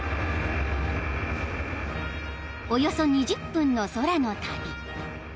［およそ２０分の空の旅］